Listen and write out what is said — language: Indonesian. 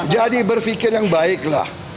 jadi berpikir yang baiklah